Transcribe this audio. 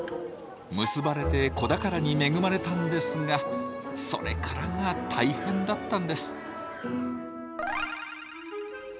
結ばれて子宝に恵まれたんですがそれからが大変だったんです。